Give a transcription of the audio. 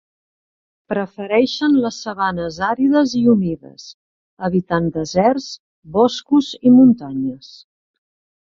Prefereixen les sabanes àrides i humides, evitant deserts, boscos i muntanyes.